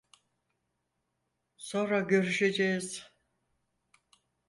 Sonra görüşeceğiz.